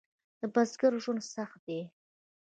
د بزګر ژوند سخت دی؟